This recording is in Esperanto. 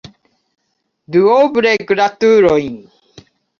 Duoble gratulojn!